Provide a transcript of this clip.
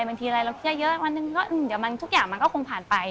บางทีเราเครียดเยอะวันนึงทุกอย่างมันก็คงผ่านไป